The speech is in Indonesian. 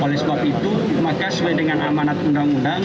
oleh sebab itu maka sesuai dengan amanat undang undang